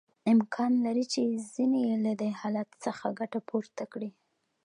امکان لري چې ځینې یې له دې حالت څخه ګټه پورته کړي